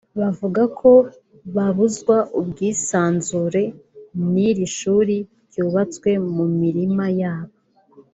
bavuga ko babuzwa ubwisanzure n’iri shuri ryubatswe mu mirima yabo